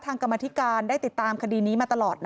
ว่าพี่บังแจ๊กเคยเอามาโชว์อ่ะนะ